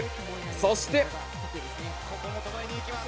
そして。